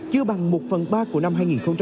chưa bằng một phần ba của năm hai nghìn một mươi chín